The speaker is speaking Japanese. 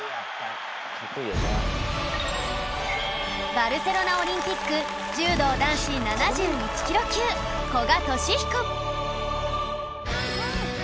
バルセロナオリンピック柔道男子７１キロ級古賀稔彦